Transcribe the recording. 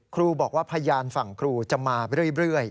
ครูบอกว่าพยานฝั่งครูจะมาเรื่อย